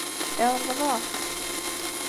Yeṛḍel-aɣ-tt.